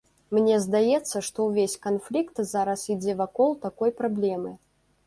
Мне здаецца, што ўвесь канфлікт зараз ідзе вакол такой праблемы.